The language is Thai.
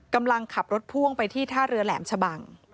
กำลังขับรถพ่วงไปที่ท่าเรือแหลมชะบัง